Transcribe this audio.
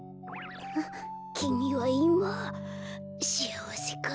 きみはいましあわせかい？